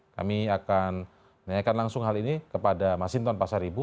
kami akan menanyakan langsung hal ini kepada masinton pasar ibu